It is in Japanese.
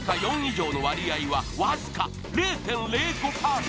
４以上の割合はわずか０．０５％